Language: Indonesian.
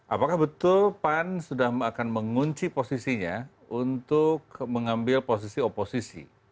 apakah betul pan sudah akan mengunci posisinya untuk mengambil posisi oposisi